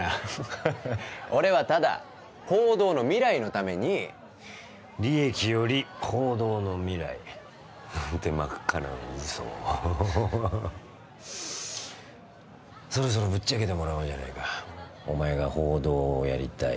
フッフッフ俺はただ報道の未来のために利益より報道の未来なんて真っ赤な嘘ホホホそろそろぶっちゃけてもらおうじゃねえかお前が報道をやりたい